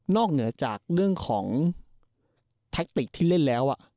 เหนือจากเรื่องของแทคติกที่เล่นแล้ว